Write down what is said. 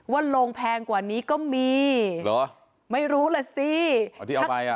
ลงแพงกว่านี้ก็มีเหรอไม่รู้ล่ะสิอ๋อที่เอาไปอ่ะ